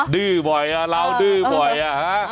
ดื้อบ่อยเราดื้อบ่อยอ่ะฮะ